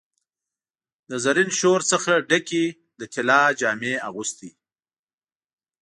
د زرین شور څخه ډکي، د طلا جامې اغوستي